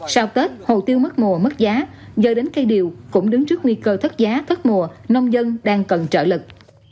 sau tết hồ tiêu mất mùa mất giá do đến cây điều cũng đứng trước nguy cơ thất giá thất mùa nông dân đang cần trợ lực